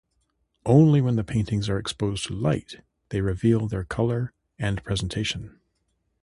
Only when the paintings are exposed to light they reveal their colour and presentation.